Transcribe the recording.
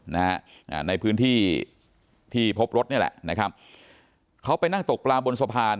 ในพื้นที่ที่พบรถนี่แหละเขาไปนั่งตกปลาบนสะพาน